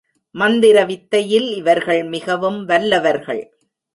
மந்திர வித்தையில் இவர்கள் மிகவும் வல்லவர்கள்.